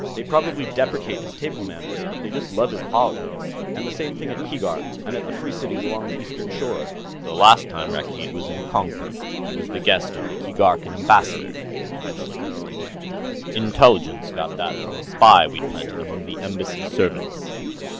They probably deprecate his table manners, but they just love his politics. And the same thing at Keegark, and at the Free Cities along the Eastern Shore." "The last time Rakkeed was in Konkrook, he was the guest of the Keegarkan Ambassador," von Schlichten stated. "Intelligence got that from a spy we'd planted among the embassy servants."